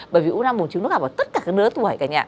bởi vì u năng buồn trứng nó gặp ở tất cả các đứa tuổi cả nhà